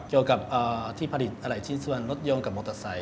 เกี่ยวกับที่ผลิตอะไรชิ้นส่วนรถยนต์กับมอเตอร์ไซค